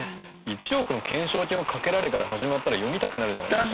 「一億の懸賞金をかけられ」から始まったら読みたくなるじゃないですか。